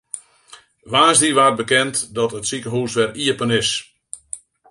Woansdei waard bekend dat it sikehûs wer iepen is.